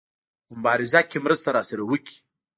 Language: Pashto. په مبارزه کې مرسته راسره وکړي.